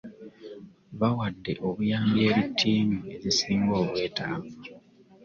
Bawadde obuyambi eri tiimu ezisinga obwetaavu